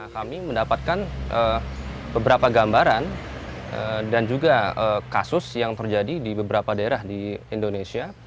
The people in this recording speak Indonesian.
kami mendapatkan beberapa gambaran dan juga kasus yang terjadi di beberapa daerah di indonesia